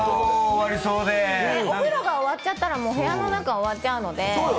お風呂が終わっちゃったら部屋の中終わっちゃうので。